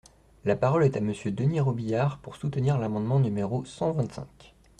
La parole est à Monsieur Denys Robiliard, pour soutenir l’amendement numéro cent vingt-cinq.